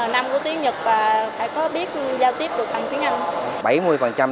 năm của tiếng nhật và phải có biết giao tiếp được bằng tiếng anh